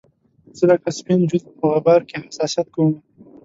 زه لکه سپین جلد په غبار کې حساسیت کومه